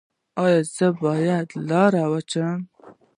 ایا زه باید لارۍ وچلوم؟